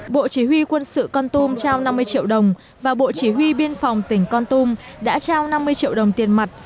bộ chỉ huy quân sự con tum trao năm mươi triệu đồng và bộ chỉ huy biên phòng tỉnh con tum đã trao năm mươi triệu đồng tiền mặt